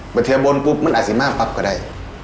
เมื่อเทียบนปุ๊บมันอสิมากปรับก็ได้